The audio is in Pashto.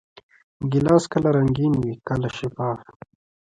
ګیلاس کله رنګین وي، کله شفاف.